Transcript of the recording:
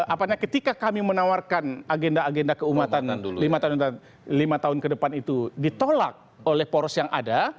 apanya ketika kami menawarkan agenda agenda keumatan lima tahun ke depan itu ditolak oleh poros yang ada